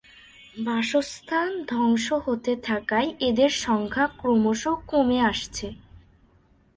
বাসস্থান ধ্বংস হতে থাকায় এদের সংখ্যা ক্রমশ কমে আসছে।